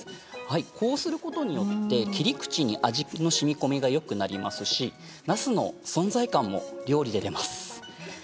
こうすることによって切り口に味のしみこみがよくなりますしなすの存在感も料理で出ます。